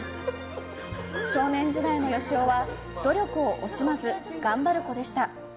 少年時代のよしおは努力を惜しまず頑張る子でした。